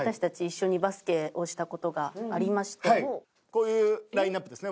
こういうラインアップですね。